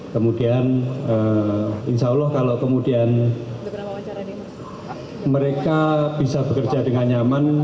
kemudian insya allah kalau kemudian mereka bisa bekerja dengan nyaman